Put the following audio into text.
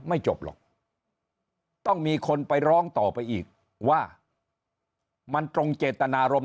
ไม่จบหรอกต้องมีคนไปร้องต่อไปอีกว่ามันตรงเจตนารมณ์